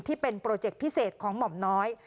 ที่เป็นโปรเจคพิเศษของหม่อมน้อย